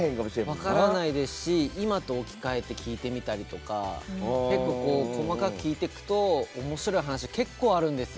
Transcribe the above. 分からないですし今と置き換えて聞いてみたりとか結構細かく聞いてくとおもしろい話結構あるんです。